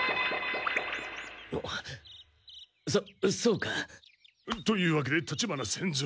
そそうか。というわけで立花仙蔵